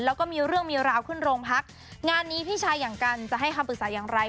แล้วก็มีเรื่องมีราวขึ้นโรงพักงานนี้พี่ชายอย่างกันจะให้คำปรึกษาอย่างไร